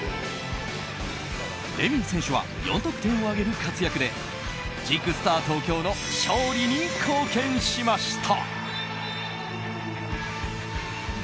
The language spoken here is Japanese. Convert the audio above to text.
レミイ選手は４得点を挙げる活躍でジークスター東京の勝利に貢献しました。